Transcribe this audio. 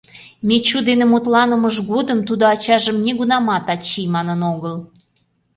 Мичу дене мутланымыж годым тудо ачажым нигунамат «ачий» манын огыл.